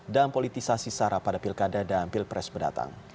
dan politisasi sarah pada pilkada dan pilpres berdatang